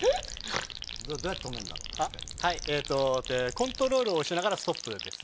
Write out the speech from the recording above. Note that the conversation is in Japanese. コントロールを押しながらストップ。